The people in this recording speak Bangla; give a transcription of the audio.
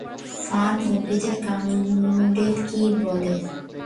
ফার্ন উদ্ভিদের কান্ডকে কী বলে?